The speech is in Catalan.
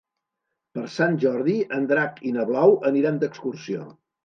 Per Sant Jordi en Drac i na Blau aniran d'excursió.